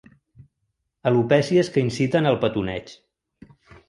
Alopècies que inciten al petoneig.